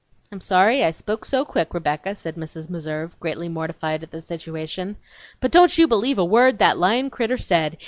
"I'm sorry I spoke so quick, Rebecca," said Mrs. Meserve, greatly mortified at the situation. "But don't you believe a word that lyin' critter said!